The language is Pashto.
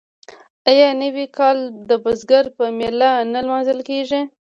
آیا نوی کال د بزګر په میله نه لمانځل کیږي؟